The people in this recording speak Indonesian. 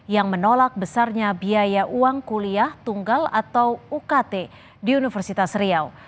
yang menolak besarnya biaya uang kuliah tunggal atau ukt di universitas riau